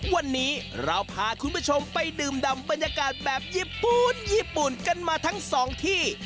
วันนี้เราพาคุณผู้ชมไปดื่มดำบรรยากาศแบบญี่ปุ่นญี่ปุ่นกันมาทั้งสองที่